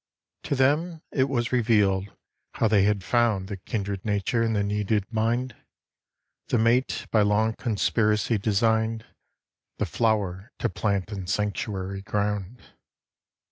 To them it was revealed how they had found The kindred nature and the needed mind; The mate by long conspiracy designed; The flower to plant in sanctuary ground.